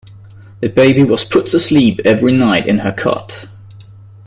The baby was put to sleep every night in her cot